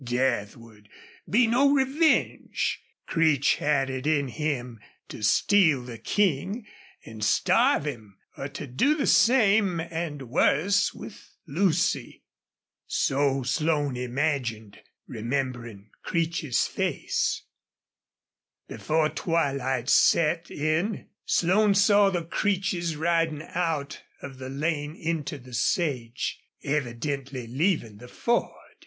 Death would be no revenge. Creech had it in him to steal the King and starve him or to do the same and worse with Lucy. So Slone imagined, remembering Creech's face. Before twilight set in Slone saw the Creeches riding out of the lane into the sage, evidently leaving the Ford.